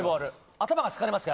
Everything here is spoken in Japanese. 頭が疲れますか。